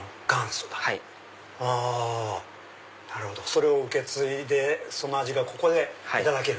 それを受け継いでその味がここでいただける。